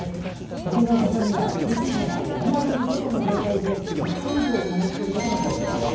鶏のささみは中心部が７５度の状態で１分以上加熱することが大切です。